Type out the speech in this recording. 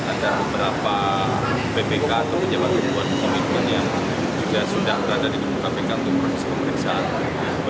ada beberapa ppk atau pejabat pejabat komitmen yang sudah ada di kementerian pekerjaan umum dan perumahan rakyat jumat malam